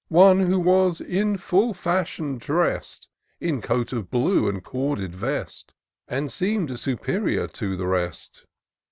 One who was in full fashion drest. In coat of blue and corded vest. And seem'd superior to the rest.